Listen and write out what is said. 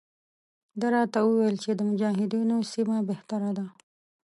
ده راته وویل چې د مجاهدینو سیمه بهتره ده.